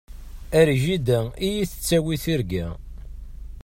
Ar jida i yi-tettawi tirga.